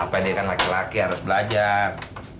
apa dia kan laki laki harus belajar